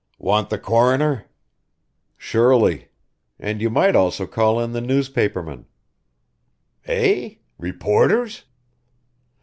"Want the coroner?" "Surely; and you might also call in the newspapermen." "Eh? Reporters?"